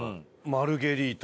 マルゲリータ。